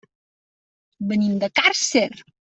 Venim de Càrcer.